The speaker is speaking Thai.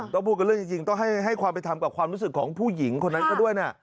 พูดกันเรื่องจริงต้องให้ความเป็นธรรมกับความรู้สึกของผู้หญิงคนนั้นเขาด้วยนะ